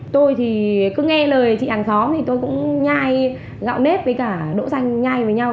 tôi thì cứ nghe lời chị hàng xóm thì tôi cũng nhai gạo nếp với cả đỗ danh nhai với nhau